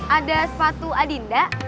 ada sepatu adinda